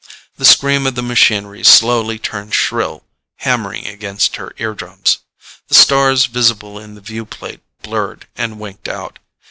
The scream of the machinery slowly turned shrill, hammering against her eardrums. The stars visible in the viewplate blurred and winked out.